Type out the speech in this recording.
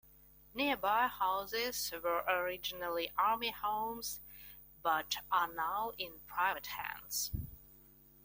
Nearby houses were originally Army Homes, but are now in private hands.